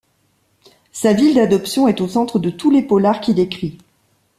Sa ville d'adoption est au centre de tous les polars qu'il écrit.